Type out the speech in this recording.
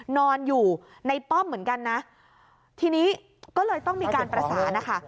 นอนอยู่ในป้อมเหมือนกันนะทีนี้ก็เลยต้องมีการประสานนะคะ